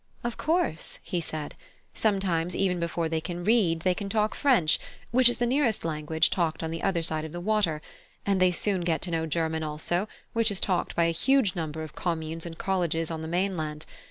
"Of course," he said; "sometimes even before they can read, they can talk French, which is the nearest language talked on the other side of the water; and they soon get to know German also, which is talked by a huge number of communes and colleges on the mainland.